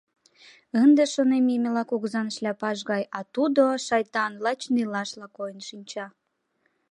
Ынде, шонем, Емела кугызан шляпаж гай, а тудо, шайтан, лач нелашла койын шинча.